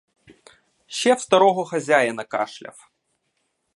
Ще в старого хазяїна кашляв.